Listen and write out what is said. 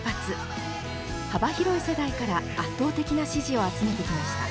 幅広い世代から圧倒的な支持を集めてきました。